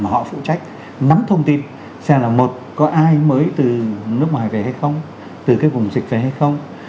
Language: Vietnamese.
mà họ phụ trách nắm thông tin xem là một có ai mới từ nước ngoài về hay không từ cái vùng dịch về hay không